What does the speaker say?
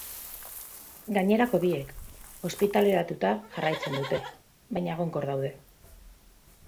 Gainerako biek ospitaleratuta jarraitzen dute, baina egonkor daude.